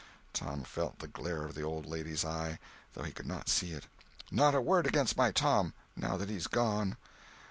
_" Tom felt the glare of the old lady's eye, though he could not see it. "Not a word against my Tom, now that he's gone!